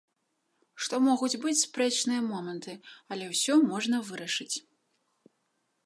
Што могуць быць спрэчныя моманты, але ўсё можна вырашыць.